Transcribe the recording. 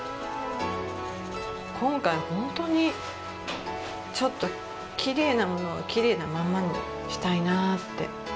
今回本当に、ちょっときれいなものをきれいなまんまにしたいなって。